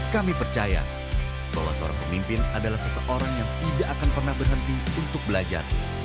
kami percaya bahwa seorang pemimpin adalah seseorang yang tidak akan pernah berhenti untuk belajar